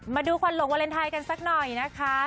มาดูควันหลงวาเลนไทยกันสักหน่อยนะคะ